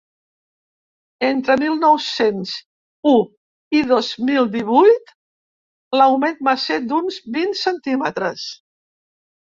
Entre mil nou-cents u i dos mil divuit, l’augment va ser d’uns vint centímetres.